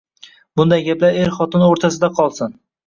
Bunday gaplar er-xotin o‘rtasida qolsin.